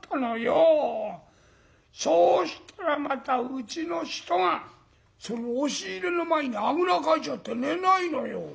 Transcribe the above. そうしたらまたうちの人がその押し入れの前にあぐらかいちゃって寝ないのよ。